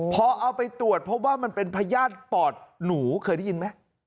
พอเอาไปตรวจพบว่ามันเป็นพญาติปอดหนูเคยได้ยินไหม